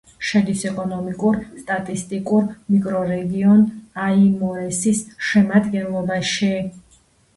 შედის ეკონომიკურ-სტატისტიკურ მიკრორეგიონ აიმორესის შემადგენლობაში.